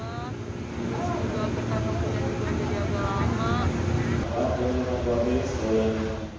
kita juga jadi agak lama juga kita berpengalaman juga jadi agak lama